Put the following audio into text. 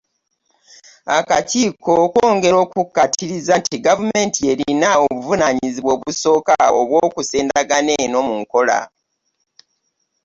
Akakiiko kongera okukikkaatiriza nti Gavumenti y’erina obuvunaanyizibwa obusooka obw’okussa Endagaano eno mu nkola.